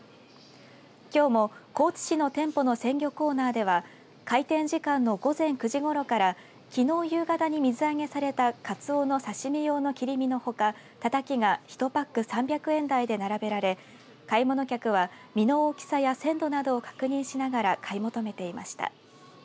きょうも、高知市の店舗の鮮魚コーナーでは開店時間の午前９時ごろからきのう夕方に水揚げされたカツオの刺し身用の切り身のほかタタキが１パック３００円台で並べられ買い物客は、身の大きさや鮮度など確認しながら買い求めていました。